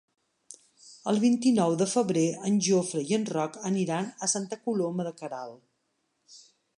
El vint-i-nou de febrer en Jofre i en Roc aniran a Santa Coloma de Queralt.